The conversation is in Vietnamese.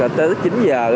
rồi tới chín giờ